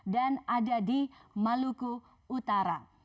dan ada di maluku utara